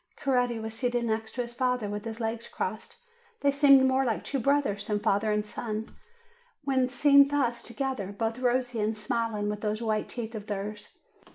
Coretti was seated next his father, with his legs crossed; they seemed more like two brothers than father and son, when seen thus together, both rosy and smiling, with those white teeth of theirs.